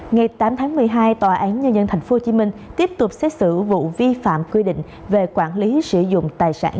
ngày tám tháng một mươi hai tòa án nhân dân tp hcm tiếp tục xét xử vụ vi phạm quy định về quản lý sử dụng tài sản